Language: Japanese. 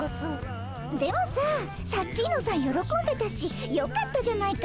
でもさサッチーノさん喜んでたしよかったじゃないか。